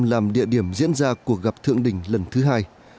làm địa điểm diễn ra cuộc gặp thượng đỉnh lần thứ hai